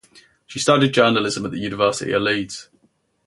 She studied journalism at the University of Leeds.